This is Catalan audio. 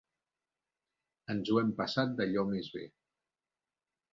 Ens ho hem passat d'allò més bé.